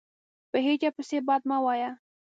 په هیچا پسي بد مه وایه